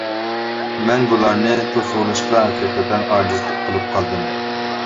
مەن بۇلارنى توسۇۋېلىشقا ھەقىقەتەن ئاجىزلىق قىلىپ قالدىم.